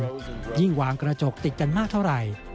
แสงพลังงานยิ่งวางกระจกติดกันมากเท่าไหร่